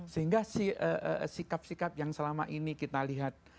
sehingga sikap sikap yang selama ini kita lihat